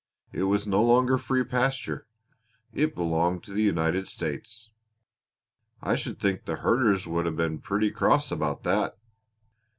It was no longer free pasture. It belonged to the United States." "I should think the herders would have been pretty cross about that!"